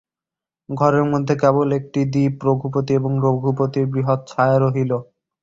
ঘরের মধ্যে কেবল একটি দীপ, রঘুপতি এবং রঘুপতির বৃহৎ ছায়া রহিল।